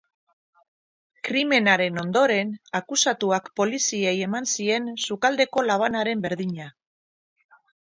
Krimenaren ondoren akusatuak poliziei eman zien sukaldeko labanaren berdina.